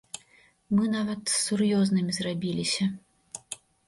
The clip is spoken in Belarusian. Мы нават сур'ёзнымі зрабіліся.